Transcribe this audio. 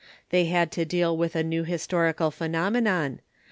They had to deal with a new historical phenomenon.